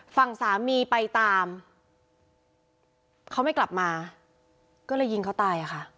ฝั่งสามีไปตามเขาไม่กลับมาก็เลยยิงเขาตายอะค่ะ